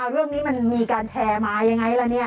เรื่องนี้มันมีการแชร์มายังไงล่ะเนี่ย